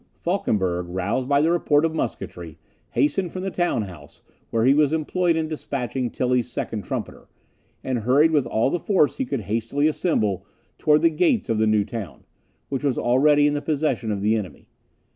Falkenberg, roused by the report of musketry, hastened from the town house, where he was employed in despatching Tilly's second trumpeter, and hurried with all the force he could hastily assemble towards the gate of the new town, which was already in the possession of the enemy.